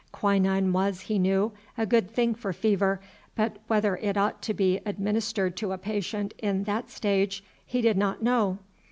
Quinine was, he knew, a good thing for fever, but whether it ought to be administered to a patient in that stage he did not know.